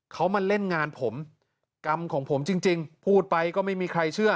เขามาเล่นงานผมกรรมของผมจริงพูดไปก็ไม่มีใครเชื่อ